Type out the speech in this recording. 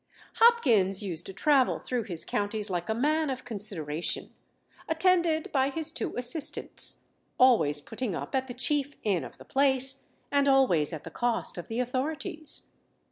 Hopkins used to travel through his counties like a man of consideration, attended by his two assistants, always putting up at the chief inn of the place, and always at the cost of the authorities.